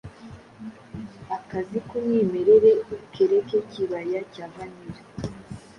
akazi kumwimerere kIkibaya cyaVanilla